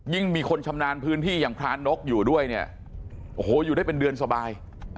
มีคนชำนาญพื้นที่อย่างพรานกอยู่ด้วยเนี่ยโอ้โหอยู่ได้เป็นเดือนสบาย